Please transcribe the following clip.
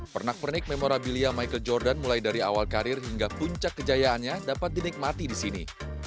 pernak pernik memorabilia michael jordan mulai dari awal karir hingga puncak kejayaannya dapat dinikmati di sini